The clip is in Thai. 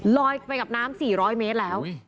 ลอยไปกับน้ำ๔๐๐เมตรแล้ว